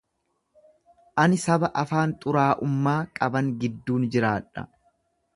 Ani saba afaan xuraa'ummaa qaban gidduun jiraadha.